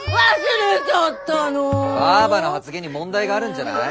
ばぁばの発言に問題があるんじゃない？